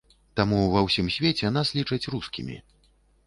Таму ва ўсім свеце нас лічаць рускімі.